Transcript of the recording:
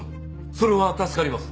それは助かります。